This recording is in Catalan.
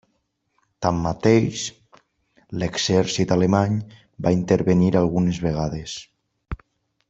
Tanmateix, l'exèrcit alemany va intervenir algunes vegades.